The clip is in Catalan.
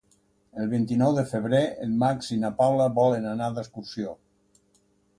El vint-i-nou de febrer en Max i na Paula volen anar d'excursió.